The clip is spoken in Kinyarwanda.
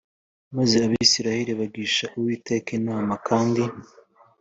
maze abisirayeli bagisha uwiteka inama kandi